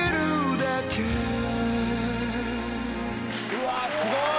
うわすごい！